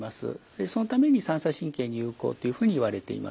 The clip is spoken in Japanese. でそのために三叉神経に有効っていうふうにいわれています。